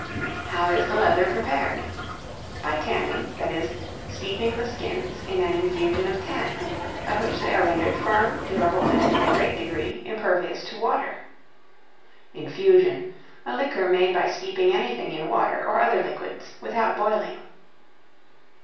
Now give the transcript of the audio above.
How is the Leather prepared? By tanning; that is, steeping the skins in an infusion of tan, by which they are rendered firm, durable, and, in a great degree, impervious to water. Infusion, a liquor made by steeping anything in water, or other liquids, without boiling.